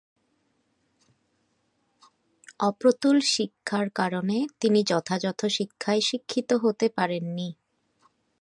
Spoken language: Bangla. অপ্রতুল শিক্ষার কারণে তিনি যথাযথ শিক্ষায় শিক্ষিত হতে পারেননি।